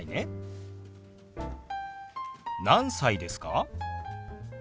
何歳ですか？